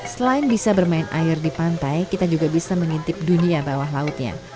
selain bisa bermain air di pantai kita juga bisa mengintip dunia bawah lautnya